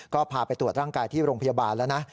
ก็พาไปตรวจร่างกายที่โรงพยาบาลแล้วนะ